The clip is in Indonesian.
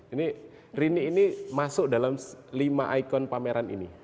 ini rini ini masuk dalam lima ikon pameran ini